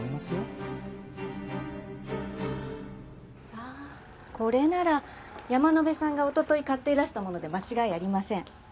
ああこれなら山野辺さんが一昨日買っていらしたもので間違いありません。